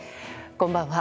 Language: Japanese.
こんばんは。